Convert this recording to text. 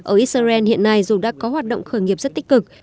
ở israel hiện nay dù đã có hoạt động khởi nghiệp rất tích cực